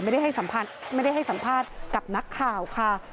ไม่ได้ให้สัมภาษณ์กับนักข่าวค่ะ